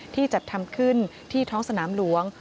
จัดทำขึ้นที่ท้องสนามหลวง